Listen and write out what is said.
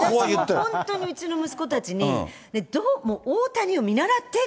私も本当にうちの息子たちに、ねぇ、大谷を見習って。